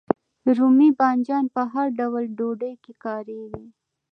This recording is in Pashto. رومي بانجان په هر ډول ډوډۍ کې کاریږي.